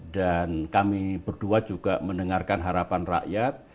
dan kami berdua juga mendengarkan harapan rakyat